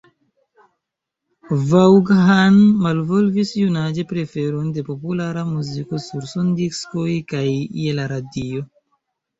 Vaughan malvolvis junaĝe preferon de populara muziko sur sondiskoj kaj je la radio.